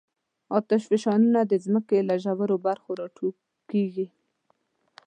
آتشفشانونه د ځمکې له ژورو برخو راټوکېږي.